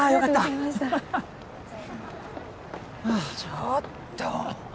ちょっと。